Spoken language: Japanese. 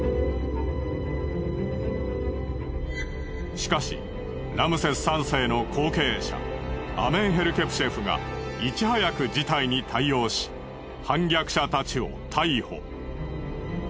しかしラムセス３世の後継者アメンヘルケプシェフがいち早く事態に対応し反逆者たちを逮捕。